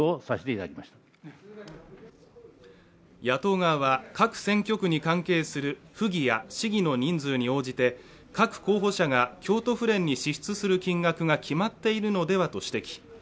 野党側は、各選挙区に関係する府議や市議の人数に応じて各候補者が京都府連に支出する金額が決まっているのではと指摘。